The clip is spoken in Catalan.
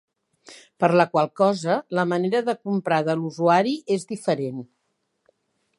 Per la qual cosa, la manera de comprar de l’usuari és diferent.